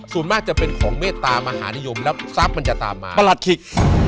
ส่วนมากจะเป็นของเมตตามหานิยมแล้วทรัพย์มันจะตามมาประหลัดขิก